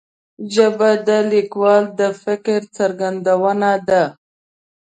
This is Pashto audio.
ژبه د لیکوال د فکر څرګندونه ده